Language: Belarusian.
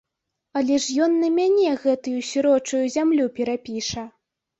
Але ж ён на мяне гэтую сірочую зямлю перапіша.